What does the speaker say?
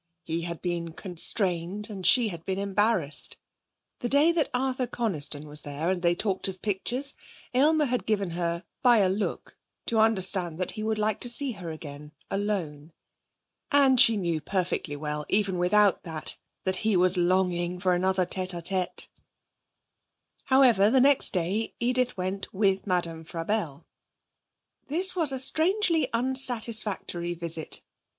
He had been constrained and she had been embarrassed. The day that Arthur Coniston was there and they talked of pictures, Aylmer had given her, by a look, to understand that he would like to see her again alone, and she knew perfectly well, even without that, that he was longing for another tête à tête. However, the next day Edith went with Madame Frabelle. This was a strangely unsatisfactory visit.